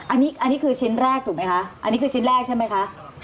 อันนี้คือชิ้นแรกถูกไหมคะอันนี้คือชิ้นแรกใช่ไหมคะ